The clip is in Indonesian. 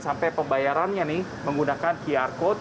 sampai pembayarannya nih menggunakan qr code